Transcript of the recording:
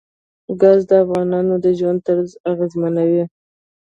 ګاز د افغانانو د ژوند طرز اغېزمنوي.